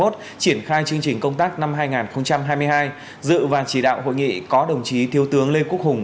triển khai chương trình công tác năm hai nghìn hai mươi hai dự và chỉ đạo hội nghị có đồng chí thiếu tướng lê quốc hùng